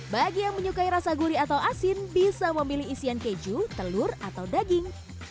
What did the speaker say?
bagi yang menyukai rasa gurih atau asin bisa memilih isian keju telur atau daging